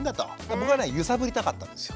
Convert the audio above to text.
僕はね揺さぶりたかったんですよ。